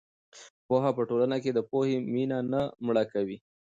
پوهه په ټولنه کې د پوهې مینه نه مړه کوي.